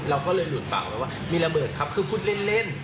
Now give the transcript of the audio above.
เราก็เลยหลุดปากไปว่ามีระเบิดครับคือพูดเล่น